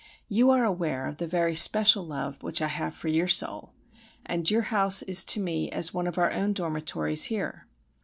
You are aware of the very special love which I have for your soul, and your house is to me as one of our own dormitories here.